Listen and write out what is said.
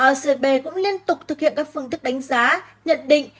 rcb cũng liên tục thực hiện các phương tức đánh giá nhận định